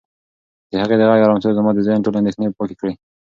د هغې د غږ ارامتیا زما د ذهن ټولې اندېښنې پاکې کړې.